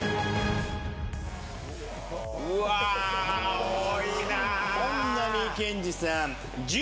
うわ多いな。